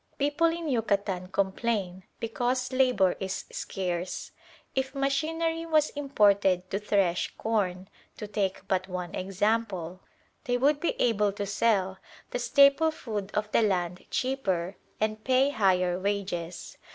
People in Yucatan complain because labour is scarce. If machinery was imported to thresh corn, to take but one example, they would be able to sell the staple food of the land cheaper and pay higher wages.